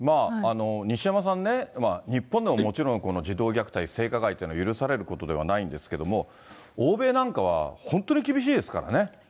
西山さんね、日本でももちろん、児童虐待、性加害というのは許されることではないんですけれども、欧米なんかは本当に厳しいですからね。